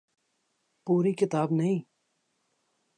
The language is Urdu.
پوری کتاب نہیں۔